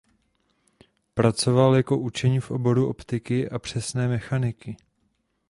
Pracoval jako učeň v oboru optiky a přesné mechaniky.